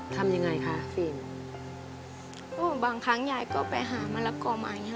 ทำยังไงคะฟิล์มก็บางครั้งยายก็ไปหามะละกอมาอย่างเงี้